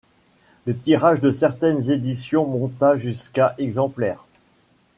Le tirage de certaines éditions monta jusqu'à exemplaires.